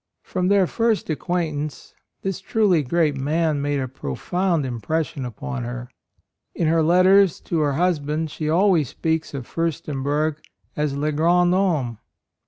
From their first acquaintance this truly great man made a pro found impression upon her. In her letters to her husband she always speaks of Furstenberg AND MOTHER. 31 as le grand homme.